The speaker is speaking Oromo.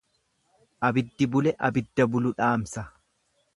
Abiddi bule abidda bulu dhaamsa.